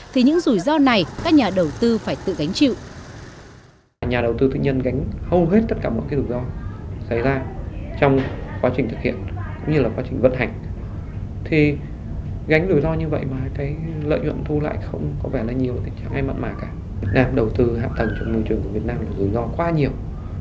thì những rủi ro này các nhà đầu tư phải tự gánh chịu